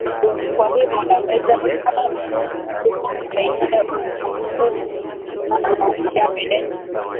kwa hiyo unaweza ukatusaidia humu mahusiano yenu